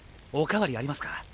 おかわりありますか？